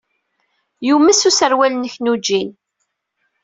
Yumes userwal-nnek n ujean.